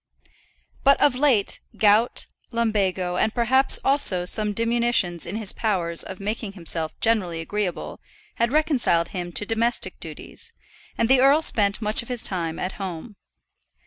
But of late gout, lumbago, and perhaps also some diminution in his powers of making himself generally agreeable, had reconciled him to domestic duties, and the earl spent much of his time at home.